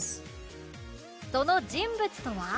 その人物とは